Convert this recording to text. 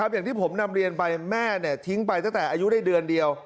อย่างที่ผมนำเรียนไปแม่ทิ้งไปตั้งแต่อายุได้เดือนเดียว